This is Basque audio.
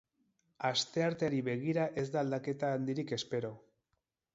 Astearteari begira ez da aldaketa handirik espero.